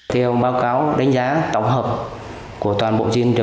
theo báo cáo đánh giá tổng hợp của toàn bộ diện tích